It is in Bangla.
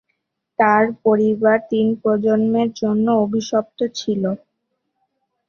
তাঁর পরিবার তিন প্রজন্মের জন্য অভিশপ্ত ছিল।